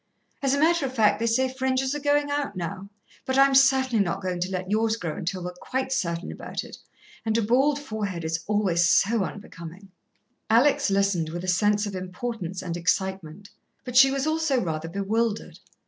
As a matter of fact, they say fringes are goin' out now, but I'm certainly not goin' to let yours grow until we're quite certain about it ... and a bald forehead is always so unbecomin'." Alex listened with a sense of importance and excitement, but she was also rather bewildered.